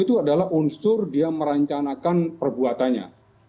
itu adalah unsur dia merencanakan perbuatannya